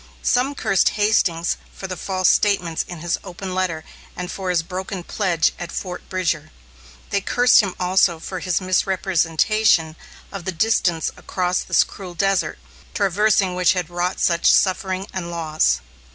Some cursed Hastings for the false statements in his open letter and for his broken pledge at Fort Bridger. They cursed him also for his misrepresentation of the distance across this cruel desert, traversing which had wrought such suffering and loss.